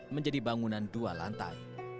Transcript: menjadi bangunan dua lantai